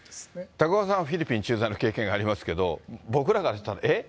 高岡さんはフィリピン駐在の経験がありますけど、僕らからしたら、えっ？